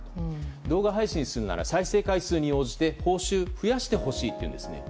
動画配信するなら再生回数に応じて報酬、増やしてほしいっていうんですね。